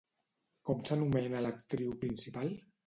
Com s'anomena l'actriu principal?